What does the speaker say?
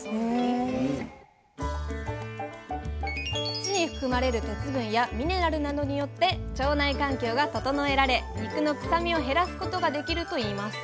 土に含まれる鉄分やミネラルなどによって腸内環境が整えられ肉の臭みを減らすことができるといいます